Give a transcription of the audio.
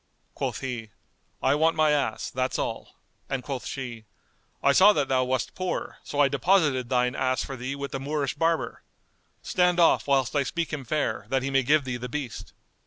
Quoth he, "I want my ass; that's all;" and quoth she, "I saw that thou wast poor: so I deposited thine ass for thee with the Moorish barber. Stand off, whilst I speak him fair, that he may give thee the beast."